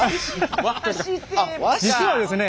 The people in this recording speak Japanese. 実はですね